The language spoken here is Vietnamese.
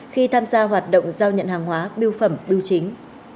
khi tham gia hoạt động giao nhận hàng hóa biêu phẩm bưu chính